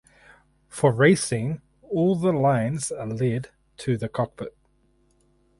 For racing all the lines are led to the cockpit.